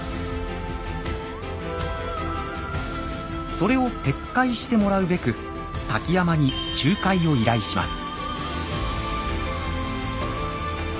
それを撤回してもらうべく瀧山に仲介を依頼します。